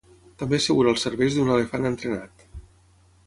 També assegura els serveis d'un elefant entrenat.